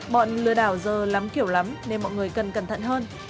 bọn lừa đảo giờ lắm kiểu lắm nên mọi người cần cẩn thận hơn